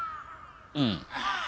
うん。